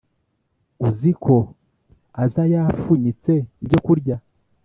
uziko aza yafunyitse ibyo kurya